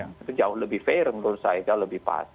itu jauh lebih fair menurut saya jauh lebih pas